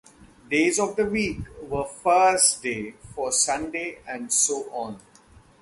Days of the week were "First day" for Sunday and so on.